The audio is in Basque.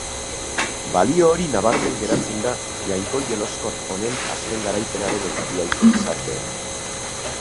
Balio hori nabarmen geratzen da jainko jeloskor honen azken garaipenaren eta bi auzo-gizarteen.